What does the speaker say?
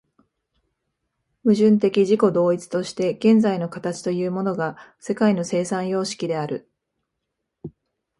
矛盾的自己同一として現在の形というものが世界の生産様式である。